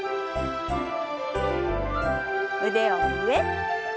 腕を上。